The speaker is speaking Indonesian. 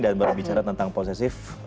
dan berbicara tentang posesif